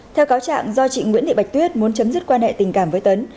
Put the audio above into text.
theo cáo trạng do chị nguyễn thị bạch tuyết muốn chấm dứt quan hệ tình cảm với tấn